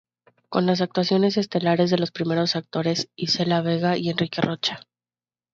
Con las actuaciones estelares de los primeros actores Isela Vega y Enrique Rocha.